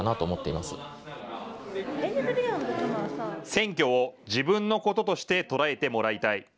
選挙を自分のこととして捉えてもらいたい。